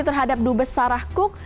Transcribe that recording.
terhadap dut besar rakhkuk